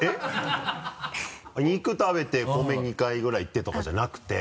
肉食べて米２回ぐらいいってとかじゃなくて？